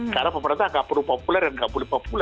karena pemerintah nggak perlu populer dan nggak boleh populer